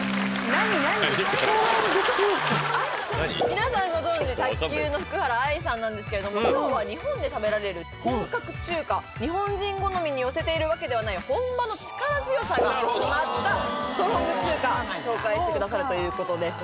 皆さんご存じ卓球の福原愛さんなんですけれども今日は日本で食べられる本格中華日本人好みに寄せているわけではない紹介してくださるということです